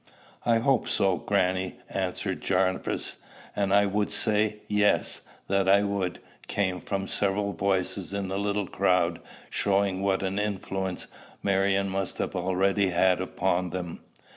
"I hope so, grannie," answered Jarvis; and "I would;" "Yes;" "That I would," came from several voices in the little crowd, showing what an influence Marion must have already had upon them.